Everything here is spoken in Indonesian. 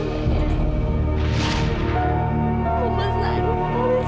apa dengan sakit